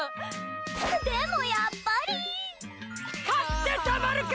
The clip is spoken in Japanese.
でも、やっぱり買ってたまるか！